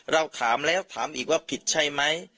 เราถามแล้วถามอีกว่าผิดใช่ไหม